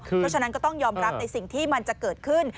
เพราะฉะนั้นก็ต้องยอมรับในสิ่งที่มันจะเกิดขึ้น